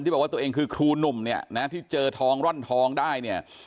ที่บอกว่าตัวเองคือครูหนุ่มที่เจอทองร่อนทองได้